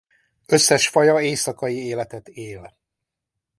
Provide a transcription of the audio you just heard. Összes faja éjszakai életet él.